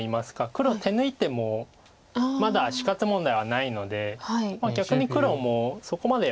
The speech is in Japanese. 黒手抜いてもまだ死活問題はないので逆に黒もそこまで。